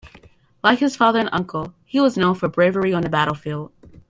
Like his father and uncle, he was known for bravery on the battlefield.